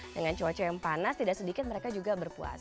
dengan cuaca yang panas tidak sedikit mereka juga berpuasa